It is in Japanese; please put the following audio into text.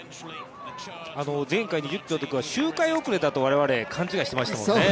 前回２０ｋｍのときは周回遅れだと我々勘違いしてましたもんね。